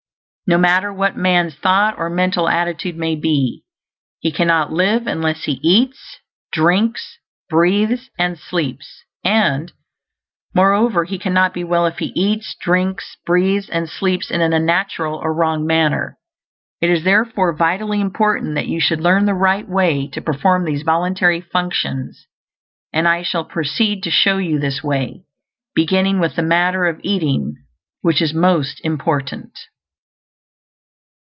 No matter what man's thought or mental attitude may be, he cannot live unless he eats, drinks, breathes, and sleeps; and, moreover, he cannot be well if he eats, drinks, breathes, and sleeps in an unnatural or wrong manner. It is therefore vitally important that you should learn the right way to perform these voluntary functions, and I shall proceed to show you this way, beginning with the matter of eating, which is most important.